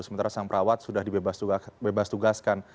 sementara sang perawat sudah dibebas tugaskan